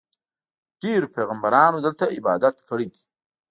ډېرو پیغمبرانو دلته عبادت کړی دی.